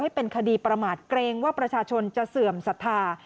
เป็นคดีประมาทเกรงว่าประชาชนจะเสื่อมศรัทธา